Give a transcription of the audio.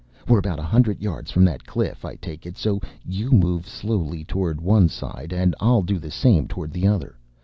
We’re about a hundred yards from that cliff, I take it; so you move slowly toward one side and I’ll do the same toward the other.